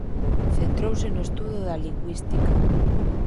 Centrouse no estudo da lingüística.